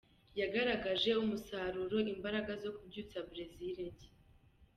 Yagaragaje umusaruro, imbaraga zo kubyutsa Brazil nshya.